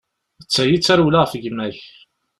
D tagi i tarewla ɣef gma-k.